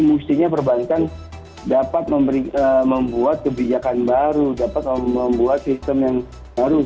mestinya perbankan dapat membuat kebijakan baru dapat membuat sistem yang baru